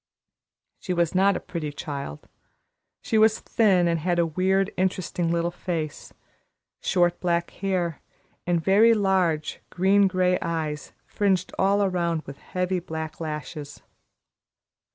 She was not a pretty child. She was thin, and had a weird, interesting little face, short black hair, and very large, green gray eyes fringed all around with heavy black lashes.